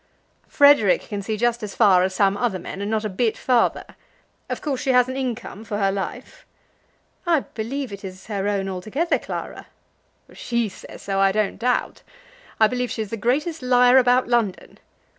"Frederic can see just as far as some other men, and not a bit farther. Of course she has an income, for her life." "I believe it is her own altogether, Clara." "She says so, I don't doubt. I believe she is the greatest liar about London.